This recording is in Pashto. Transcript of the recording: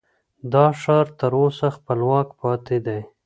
دا ښار تر اوسه خپلواک پاتې دی.